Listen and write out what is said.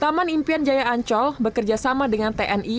taman impian jaya ancol bekerja sama dengan tni polri dan saltpol pp